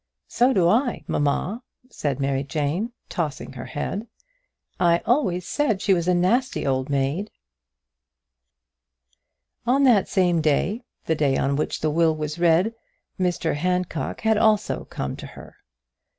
"So do I, mamma," said Mary Jane, tossing her head. "I always said that she was a nasty old maid." On that same day, the day on which the will was read, Mr Handcock had also come to her.